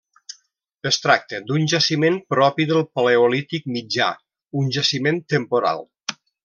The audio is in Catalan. Es tracta d'un jaciment propi del Paleolític mitjà, un jaciment temporal.